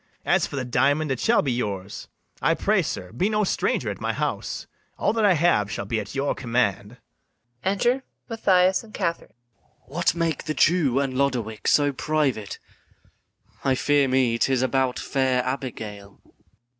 As for the diamond, it shall be yours: I pray, sir, be no stranger at my house; All that I have shall be at your command. Enter MATHIAS and KATHARINE. MATHIAS. What make the Jew and Lodowick so private? I fear me 'tis about fair Abigail.